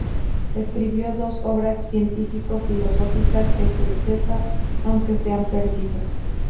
Escribió dos obras científico-filosóficas, que se sepa, aunque se han perdido.